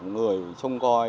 người trông coi